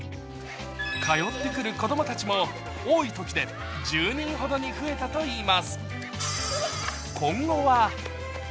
通ってくる子供たちも多いときで１０人ほどに増えたといいます。